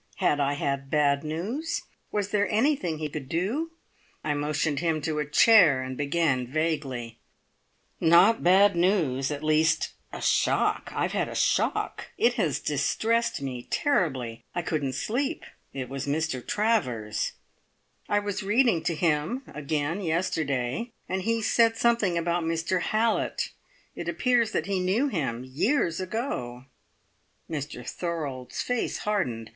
Had I had bad news? Was there anything he could do? I motioned him to a chair, and began vaguely: "Not bad news at least a shock! I've had a shock! It has distressed me terribly! I couldn't sleep. It was Mr Travers. I was reading to him again yesterday, and he said something about Mr Hallett. It appears that he knew him years ago." Mr Thorold's face hardened.